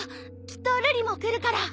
きっと瑠璃も来るから。